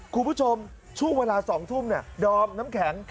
คุณผู้ชมช่วงเวลา๒ทุ่มดอมน้ำแข็ง